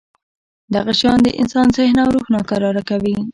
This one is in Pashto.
دغه شیان د انسان ذهن او روح ناکراره کوي.